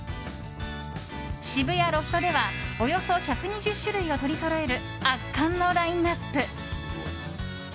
渋谷ロフトではおよそ１２０種類を取りそろえる圧巻のラインアップ。